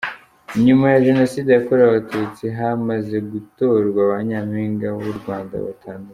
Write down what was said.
Nyuma ya Jenoside yakorewe Abatutsi hamaze gutorwa ba Nyampinga w’u Rwanda batandatu.